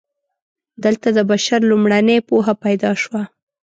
دلته د بشر لومړنۍ پوهه پیدا شوه.